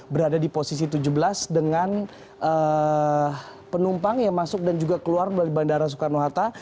berada di posisi tujuh belas dengan penumpang yang masuk dan juga keluar dari bandara soekarno hatta